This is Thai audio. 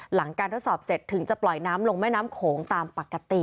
หลังการทดสอบเสร็จถึงจะปล่อยน้ำลงแม่น้ำโขงตามปกติ